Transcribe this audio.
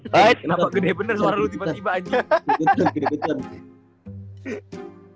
kenapa gede bener suara lu tiba tiba aja